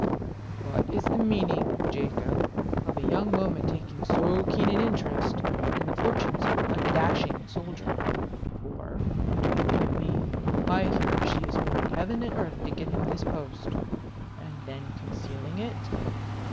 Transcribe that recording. "What is the meaning, Jacob, of a young woman taking so keen an interest in the fortunes of a dashing soldier for, between you and me, I hear she is moving heaven and earth to get him this post and then concealing it?"